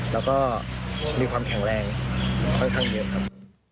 แล้วก็มีความแข็งแรงค่อนข้างเยอะครับ